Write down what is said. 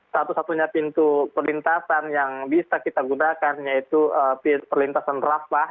satu satunya pintu perlintasan yang bisa kita gunakan yaitu perlintasan rafah